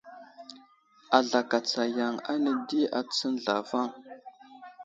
Azlakatsa yaŋ ane di atsən zlavaŋ.